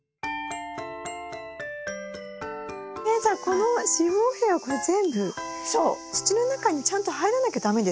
えっじゃあこの子房柄はこれ全部土の中にちゃんと入らなきゃ駄目ですね。